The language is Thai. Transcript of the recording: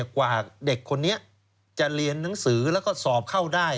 กว่าเด็กคนนี้จะเรียนหนังสือแล้วก็สอบเข้าได้